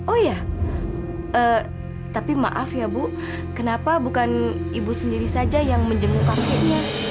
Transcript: oh iya tapi maaf ya bu kenapa bukan ibu sendiri saja yang menjenguk kakeknya